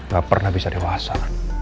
gak pernah bisa dewasa